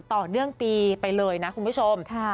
ต่อเนื่องปีไปเลยนะคุณผู้ชม